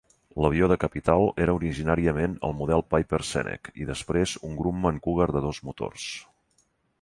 L"avió de Capital era originàriament el model Piper Senec i després un Grumman Cougar de dos motors.